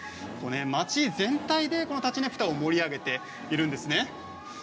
町全体で、このたちねぷたを盛り上げているんですね。